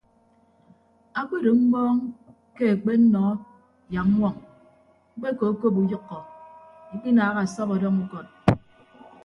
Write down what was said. Akpedo mmọọñ ke akpennọ yak ññwoñ mkpekokop uyʌkkọ ikpikinaaha asọp ọdọñ ukọd.